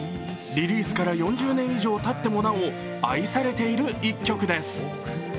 リリースから４０年以上たってもなお、愛されている１曲です。